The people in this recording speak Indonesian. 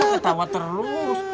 kamu ketawa terus